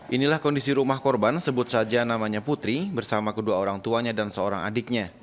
inilah kondisi rumah korban sebut saja namanya putri bersama kedua orang tuanya dan seorang adiknya